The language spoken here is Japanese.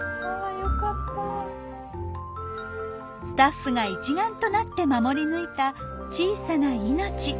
スタッフが一丸となって守り抜いた小さな命。